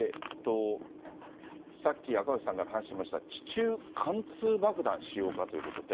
さっき、赤星さんがお話しました地中貫通爆弾使用かということで。